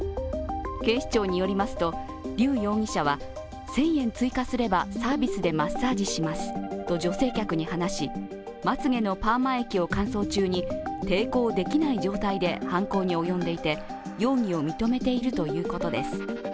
警視庁によりますと、劉容疑者は１０００円追加すればサービスでマッサージしますと女性客に話しまつげのパーマ液を乾燥中に抵抗できない状態で犯行に及んでいて、容疑を認めているということです。